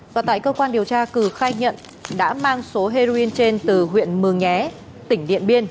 và tại cơ quan điều tra cử khai nhận đã mang số heroin trên từ huyện mường nhé tỉnh điện biên